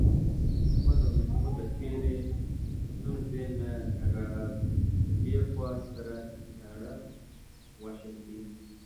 احمد او محمود د تېرې ستونزې نه را پدېخوا، سره چاړه غوښه دي.